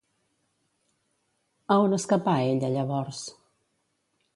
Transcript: A on escapà ella llavors?